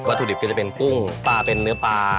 ถุดิบก็จะเป็นกุ้งปลาเป็นเนื้อปลา